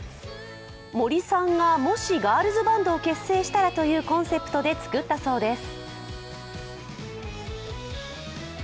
森さんがもしガールズバンドを結成したらというコンセプトで作ったそうです。